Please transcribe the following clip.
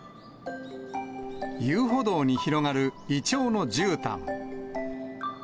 遊歩道に広がるイチョウのじゅうたん。